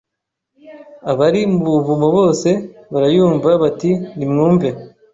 Abari mu buvumo bose barayumva bati nimwumve